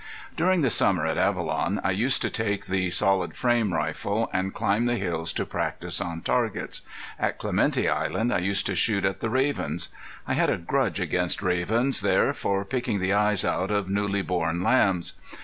During the summer at Avalon I used to take the solid frame rifle, and climb the hills to practice on targets. At Clemente Island I used to shoot at the ravens. I had a grudge against ravens there for picking the eyes out of newly born lambs.